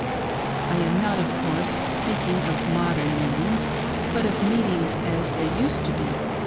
I am not, of course, speaking of modern meetings, but of meetings as they used to be.